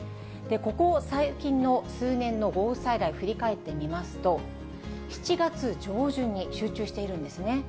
ここ最近の、数年の豪雨災害、振り返ってみますと、７月上旬に集中しているんですね。